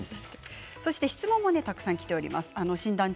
質問もたくさんきています。